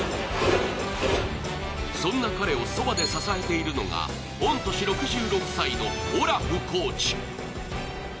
そんな彼をそばで支えているのが、御年６６歳のオラフコーチ。